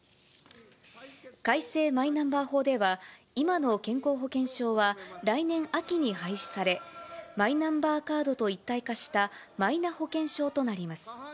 改正マイナンバー法では、今の健康保険証は来年秋に廃止され、マイナンバーカードと一体化したマイナ保険証となります。